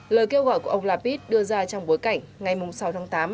lời kêu gọi của ông lapid đưa ra trong bối cảnh ngày sáu tháng tám